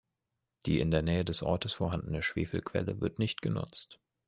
Die in der Nähe des Ortes vorhandene Schwefel-Quelle wird nicht genutzt.